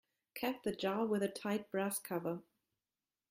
Cap the jar with a tight brass cover.